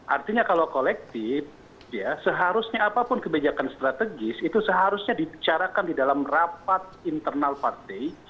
artinya kalau kolektif ya seharusnya apapun kebijakan strategis itu seharusnya dibicarakan di dalam rapat internal partai